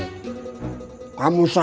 kamu saja jarang ke musyola